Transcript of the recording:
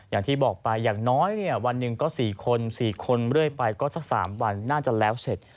อย่างที่บอกไปอย่างน้อยวันหนึ่งก็๔คน๔คนเรื่อยไปก็สัก๓วันน่าจะแล้วเสร็จ